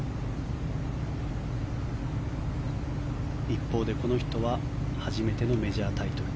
一方でこの人は初めてのメジャータイトル。